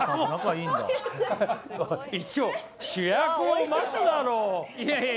一応主役を待つだろう。